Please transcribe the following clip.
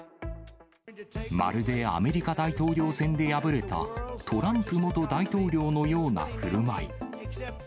まるで、アメリカ大統領選で敗れたトランプ元大統領のようなふるまい。